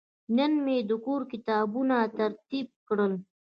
نن مې د کور کتابونه ترتیب کړل.